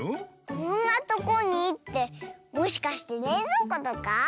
こんなとこにってもしかしてれいぞうことか？